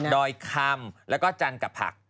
ดอยคำและก็จันทร์กับผัก